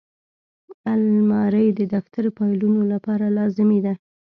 الماري د دفتر فایلونو لپاره لازمي ده